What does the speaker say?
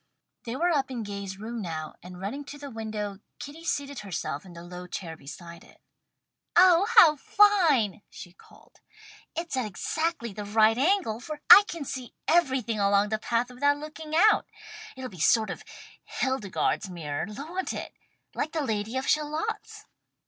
They were up in Gay's room now, and running to the window, Kitty seated herself in the low chair beside it. "Oh how fine!" she called. "It's at exactly the right angle, for I can see everything along the path without looking out. It'll be a sort of Hildegarde's mirror, won't it! Like the Lady of Shalott's."